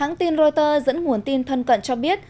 hãng tin reuters dẫn nguồn tin thân cận cho biết